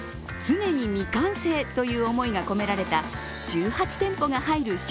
常に未完成という思いが込められた１８店舗が入る